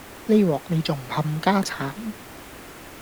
呢鑊你仲唔冚家鏟